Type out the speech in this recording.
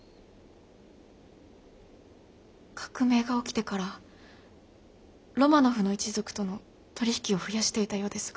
革命が起きてからロマノフの一族との取り引きを増やしていたようですが。